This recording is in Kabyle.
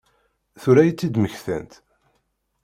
Tura i tt-id-mmektant?